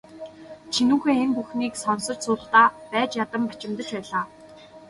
Чинүүхэй энэ бүхнийг сонсож суухдаа байж ядан бачимдаж байлаа.